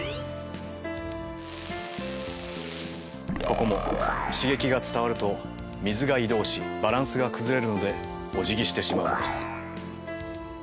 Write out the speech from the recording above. ここも刺激が伝わると水が移動しバランスが崩れるのでおじぎしてしまうのです。